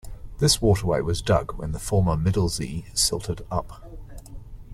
This waterway was dug when the former Middelzee silted up.